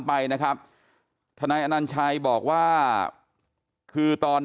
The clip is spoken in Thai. เพราะทนายอันนันชายชายเดชาบอกว่าจะเป็นการเอาคืนยังไง